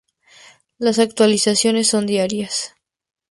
Las actualizaciones son diarias.